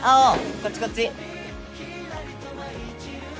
こっちこっち。